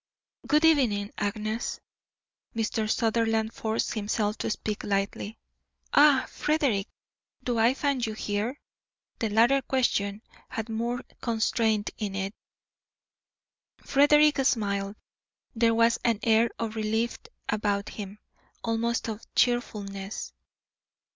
"Good evening, Agnes." Mr. Sutherland forced himself to speak lightly. "Ah, Frederick, do I find you here?" The latter question had more constraint in it. Frederick smiled. There was an air of relief about him, almost of cheerfulness.